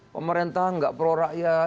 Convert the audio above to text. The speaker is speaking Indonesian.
pemerintah nggak prorakyat